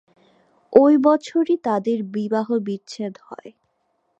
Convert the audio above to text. ওই বছরই তাঁদের বিবাহবিচ্ছেদ হয়।